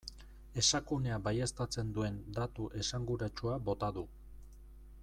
Esakunea baieztatzen duen datu esanguratsua bota du.